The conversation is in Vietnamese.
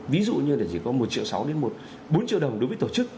ví dụ như chỉ có một triệu sáu đến bốn triệu đồng đối với tổ chức